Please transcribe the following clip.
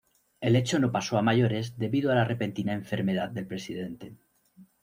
El hecho no pasó a mayores debido a la repentina enfermedad del presidente.